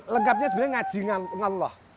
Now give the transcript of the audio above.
lengkapnya sebenarnya ngaji ngallah